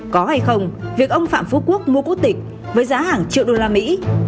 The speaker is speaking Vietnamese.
có hay không việc ông phạm phú quốc mua quốc tịch với giá hàng triệu đô la mỹ